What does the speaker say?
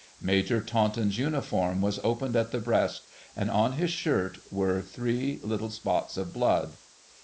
Major Taunton's uniform was opened at the breast, and on his shirt were three little spots of blood.